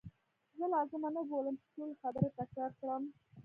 زه لازمه نه بولم چې ټولي خبرې تکرار کړم.